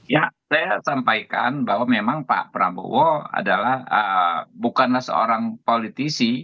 ya saya sampaikan bahwa memang pak prabowo adalah bukanlah seorang politisi